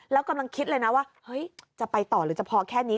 แล้วกำลังคิดเลยนะว่าเฮ้ยจะไปต่อหรือจะพอแค่นี้